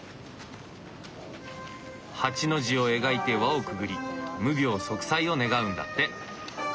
８の字を描いて輪をくぐり無病息災を願うんだって。